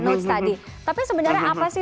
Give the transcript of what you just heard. notes tadi tapi sebenarnya apa sih